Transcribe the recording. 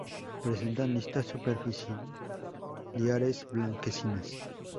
Presentan listas superciliares blanquecinas.